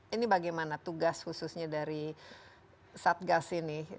ini bagaimana tugas khususnya dari satgas ini